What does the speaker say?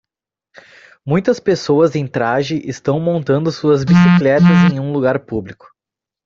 Muitas pessoas em traje estão montando suas bicicletas em um lugar público